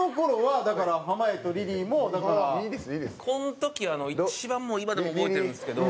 この時一番今でも覚えてるんですけど。